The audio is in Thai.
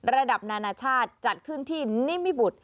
ระดับนานาชาติจัดขึ้นที่นิมิบุตร